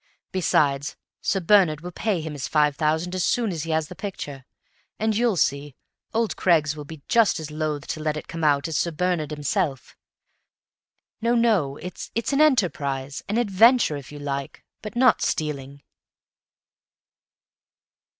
Besides, Sir Bernard will pay him his five thousand as soon as he has the picture; and, you'll see, old Craggs will be just as loath to let it come out as Sir Bernard himself. No, no it's an enterprise, an adventure, if you like but not stealing."